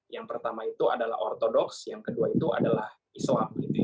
yang pertama itu adalah ortodoks yang kedua itu adalah isoap